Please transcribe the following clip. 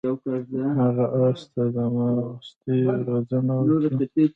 هغه اس ته د ځغاستې روزنه ورکړه.